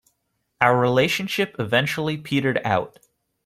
Our relationship eventually petered out.